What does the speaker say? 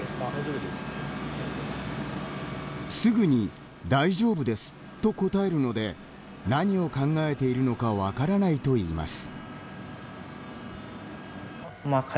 すぐに「大丈夫です」と答えるので何を考えているのか分からないといいます。